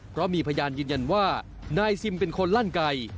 เพราะมีพยานยืนยันว่านายซิมเป็นคนลั่นไก่